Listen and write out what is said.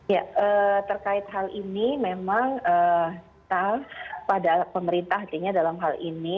ya terkait hal ini memang kita pada pemerintah artinya dalam hal ini